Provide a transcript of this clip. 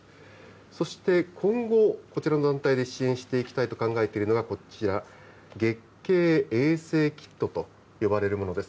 そして今後、こちらの団体で支援していきたいと考えているのがこちら、月経衛生キットと呼ばれるものです。